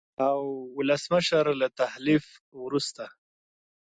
او ولسمشر له تحلیف وروسته